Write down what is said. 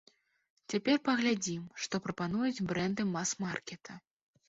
Цяпер паглядзім, што прапануюць брэнды мас-маркета.